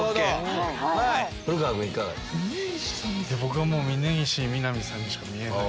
僕はもう峯岸みなみさんにしか見えない。